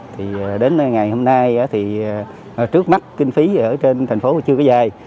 thì đến ngày hôm nay thì trước mắt kinh phí ở trên thành phố chưa có dài